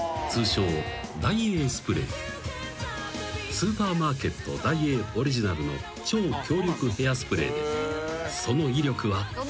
［スーパーマーケットダイエーオリジナルの超強力ヘアスプレーでその威力は］